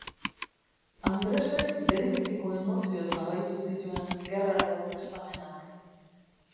Andresek berebiziko emozioz jarraitu zituen gerrarako prestamenak.